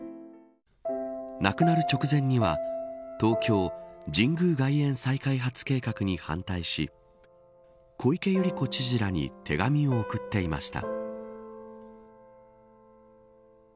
亡くなる直前には東京、神宮外苑再開発計画に反対し小池百合子知事らに手紙を送っていました。